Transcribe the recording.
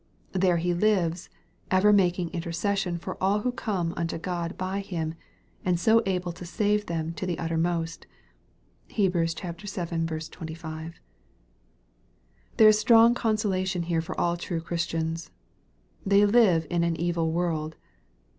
There He lives, ever making inter cession for all who come unto God by Him, and so able to save them to the uttermost. (Heb. vii. 25.) There is strong consolation here for all true Chris tians. They live in an evil world.